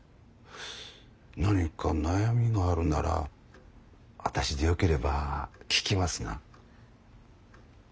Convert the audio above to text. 何か悩みがあるんなら私でよければ聞きますが。